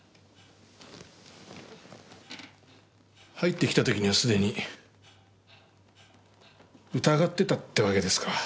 入ってきた時にはすでに疑ってたってわけですか。